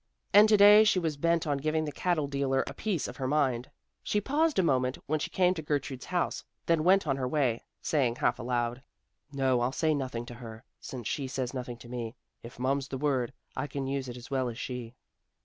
And to day she was bent on giving the cattle dealer a piece of her mind. She paused a moment when she came to Gertrude's house, then went on her way, saying half aloud, "No, I'll say nothing to her, since she says nothing to me. If 'mum's' the word I can use it as well as she."